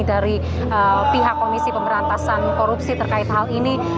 dari pihak komisi pemberantasan korupsi terkait hal ini